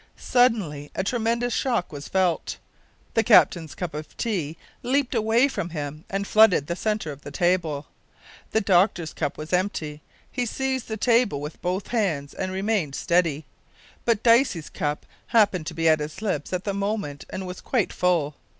Suddenly a tremendous shock was felt! The captain's cup of tea leaped away from him and flooded the centre of the table. The doctor's cup was empty; he seized the table with both hands and remained steady; but Dicey's cup happened to be at his lips at the moment, and was quite full.